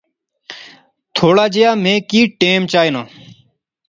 تھوڑا جہیا می کی ٹیم چائینا